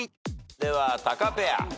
ではタカペア。